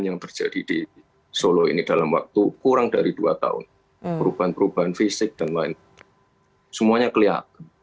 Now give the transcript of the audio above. yang terjadi di solo ini dalam waktu kurang dari dua tahun perubahan perubahan fisik dan lain semuanya kelihatan